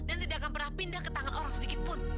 dan tidak akan pernah pindah ke tangan orang sedikitpun